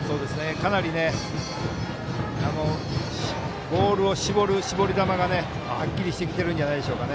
かなりボールを絞る絞り球がはっきりしてきてるんじゃないでしょうか。